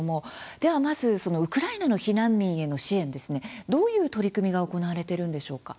ではまず、そのウクライナの避難民への支援ですねどういう取り組みが行われているんでしょうか？